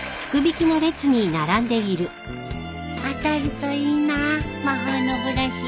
当たるといいな魔法のブラシ。